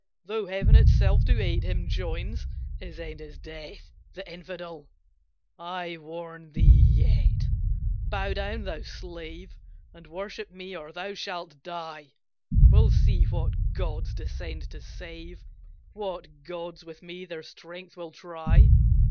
Though heaven itself to aid him joins, His end is death the infidel! I warn thee yet, bow down, thou slave, And worship me, or thou shalt die! We'll see what gods descend to save What gods with me their strength will try!"